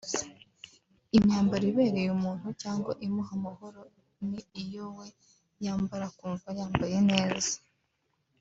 Imyambaro ibereye umuntu cyangwa imuha amahoro ni iyo we yambara akumva yambaye neza